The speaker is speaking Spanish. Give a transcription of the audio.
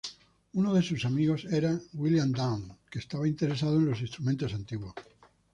Uno de sus amigos era William Dowd, que estaba interesado en los instrumentos antiguos.